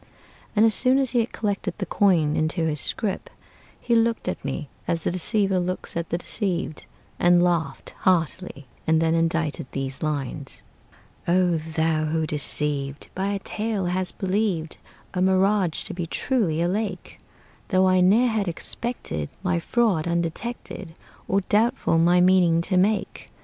And as soon as he had collected the coin into his scrip, He looked at me as the deceiver looks at the deceived, And laughed heartily, and then indited these lines: "O thou who, deceived By a tale, hast believed A mirage to be truly a lake, Though I ne'er had expected My fraud undetected, Or doubtful my meaning to make!